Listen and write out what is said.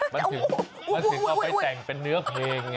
มันถึงเอาไปแต่งเป็นเนื้อเพลงไง